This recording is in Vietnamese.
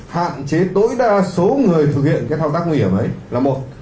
hạn chế tối đa số người thực hiện cái thao tác nguy hiểm ấy là một